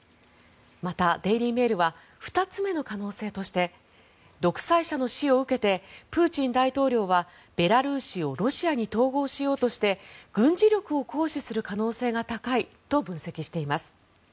また、デイリー・メールは２つ目の可能性として独裁者の死を受けてプーチン大統領はベラルーシをロシアに統合しようとして軍事力を行使する可能性が高いと分析しています。